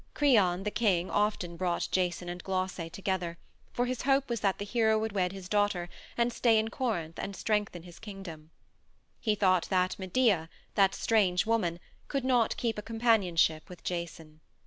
Creon, the king, often brought Jason and Glauce together, for his hope was that the hero would wed his daughter and stay in Corinth and strengthen his kingdom. He thought that Medea, that strange woman, could not keep a companionship with Jason.